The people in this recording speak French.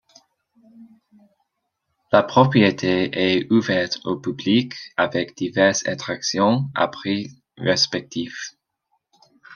La propriété est ouverte au public avec diverses attractions à prix respectifs.